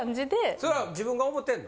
それは自分が思てんの？